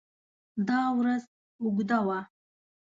دا ورځ اوږده وه.